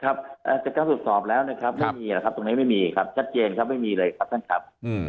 จากการตรวจสอบแล้วนะครับไม่มีแล้วครับตรงนี้ไม่มีครับชัดเจนครับไม่มีเลยครับท่านครับ